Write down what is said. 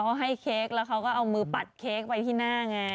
เขาให้เค้กแล้วเขาก็เอามือปัดเค้กไปที่หน้าไง